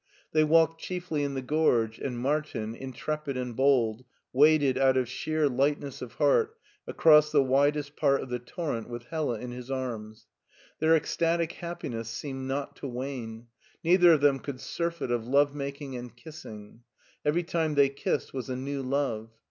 They walked chiefly in the gorge, and Martin, intrepid and bold, waded out of sheer lightness of heart across the widest part of the torrent with Hella in his arms. Their ecstatic happi ness seemed not to wane ; neither of them could surfeit of love making and kissing. Every time they kissed was a new love.